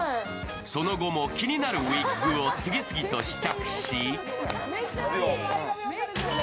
その後も気になるウィッグを次々と試着。